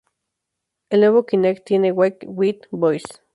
El nuevo Kinect tiene ""wake with voice"".